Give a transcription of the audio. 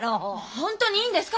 本当にいいんですか？